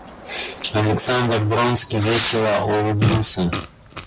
Александр Вронский весело улыбнулся.